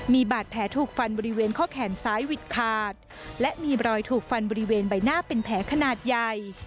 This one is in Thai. มีบาดแผลถูกฟันบริเวณข้อแขนซ้ายวิดขาดและมีรอยถูกฟันบริเวณใบหน้าเป็นแผลขนาดใหญ่